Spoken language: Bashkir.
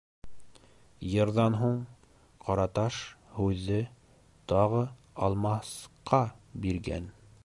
Йырҙан һуң Ҡараташ һүҙҙе тағы Алмасҡа биргән.